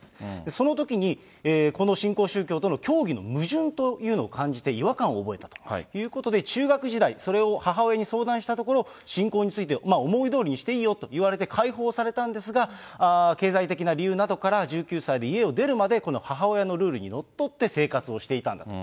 そのときに、この新興宗教との教義の矛盾というのを感じて違和感を覚えたということで、中学時代、それを母親に相談したところ、信仰について、思いどおりにしていいよと言われて解放されたんですが、経済的な理由などから１９歳で家を出るまで、この母親のルールにのっとって生活をしていたんだと。